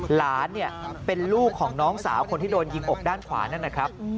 หลานเนี่ยเป็นลูกของน้องสาวคนที่โดนยิงอกด้านขวานั่นนะครับ